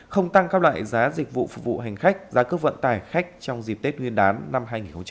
không tăng các loại giá dịch vụ phục vụ hành khách giá cước vận tải khách trong dịp tết nguyên đán năm hai nghìn hai mươi